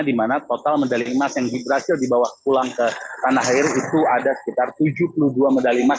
di mana total medali emas yang berhasil dibawa pulang ke tanah air itu ada sekitar tujuh puluh dua medali emas